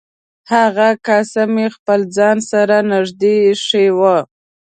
هغه کاسه مې خپل ځان سره نږدې ایښې وه.